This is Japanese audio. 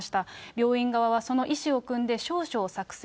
病院側はその意思をくんで証書を作成。